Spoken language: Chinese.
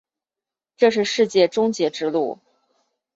这是世界终结之路。